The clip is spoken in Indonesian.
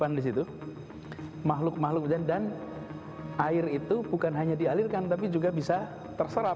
ini tahun dua ribu delapan ini tahun dua ribu dua belas inilah yang disebut dengan normalisasi dibangun beton air dialirkan secepat mungkin sampai ke laut